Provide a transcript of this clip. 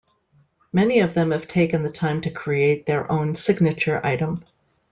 Many of them have taken the time to create their own signature item.